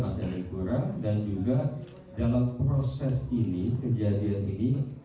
masyarakat yang dikurang dan juga dalam proses ini kejadian ini